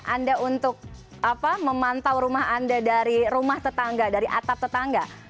anda untuk memantau rumah anda dari rumah tetangga dari atap tetangga